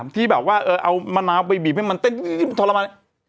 ที่แบบว่าเอามะนาวไปบีบให้มันเต้นทรมาน